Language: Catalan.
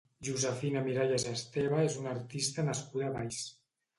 Josefina Miralles Esteve és una artista nascuda a Valls.